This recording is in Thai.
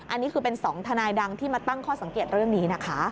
อันนี้คือเป็น๒ทนายดังที่มาตั้งข้อสังเกตเรื่องนี้นะคะ